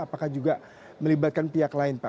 apakah juga melibatkan pihak lain pak